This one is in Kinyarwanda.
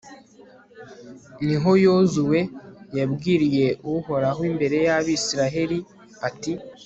ni ho yozuwe yabwiriye uhoraho imbere y'abayisraheli, ati